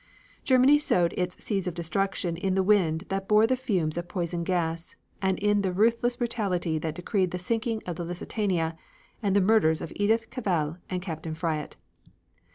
Germany sowed its seeds of destruction in the wind that bore the fumes of poison gas, and in the ruthless brutality that decreed the sinking of the Lusitania and the murders of Edith Cavell and Captain Fryatt.